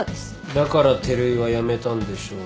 だから照井はやめたんでしょうね。